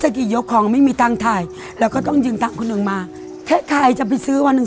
ของด้วยอยู่ของไม่มีตั้งถ่ายแล้วก็ต้องยืนตั้งคนนึงมาที่ไปซื้อวัน